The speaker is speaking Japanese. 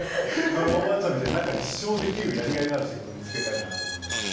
ドラおばあちゃんみたいに何か、一生できるやりがいのある仕事を見つけたいなと思いましたね。